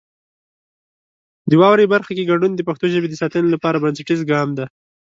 د واورئ برخه کې ګډون د پښتو ژبې د ساتنې لپاره بنسټیز ګام دی.